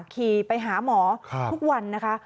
ขี่ไปหาหมอทุกวันนะคะ